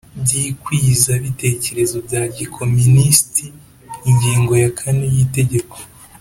by ikwizabitekerezo bya gikominisiti Ingingo ya kane y Itegeko